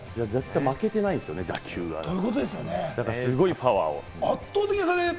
負けてないですよね、打球がすごいパワー。